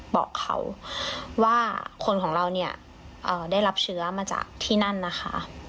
บอกเขาว่าคนของเราเนี่ยได้รับเชื้อมาจากที่นั่นนะคะ